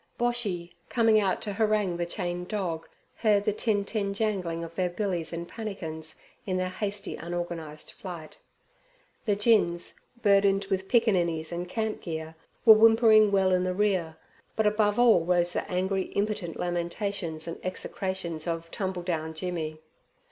Boshy, coming out to harangue the chained dog, heard the tintin jangling of their billies and pannikins in their hasty, unorganized flight. The gins, burdened with pickaninnies and camp gear, were whimpering well in the rear, but above all rose the angry, impotent lamentations and execrations of 'Tumbledown Jimmy.'